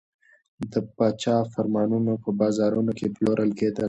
د پاچا فرمانونه په بازارونو کې پلورل کېدل.